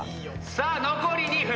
さあ残り２分。